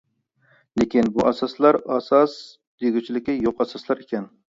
لېكىن بۇ ئاساسلار ئاساس دېگۈچىلىكى يوق ئاساسلار ئىكەن.